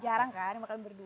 jarang kan makan berdua